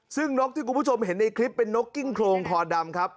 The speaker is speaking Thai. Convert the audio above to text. ซึ่งนกที่คุณผู้ชมเห็นในคลิปเป็นนกกิ้งโครงคอดำครับ